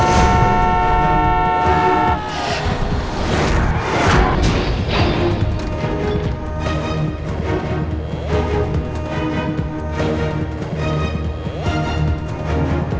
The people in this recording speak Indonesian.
segini doang kemampuan lo